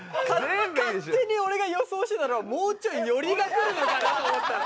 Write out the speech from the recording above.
勝手に俺が予想してたのはもうちょい寄りがくるのかなと思ったら。